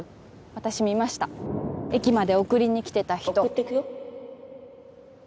私見ました駅まで送りにきてた人送ってくよ